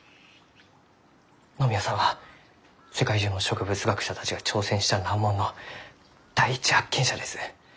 野宮さんは世界中の植物学者たちが挑戦した難問の第一発見者です。